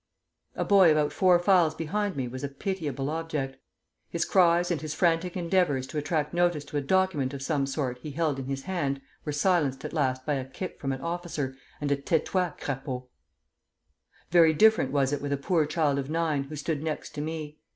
"A boy about four files behind me was a pitiable object; his cries and his frantic endeavors to attract notice to a document of some sort he held in his hand, were silenced at last by a kick from an officer and a 'Tais toi, crapaud!' Very different was it with a poor child of nine, who stood next to me.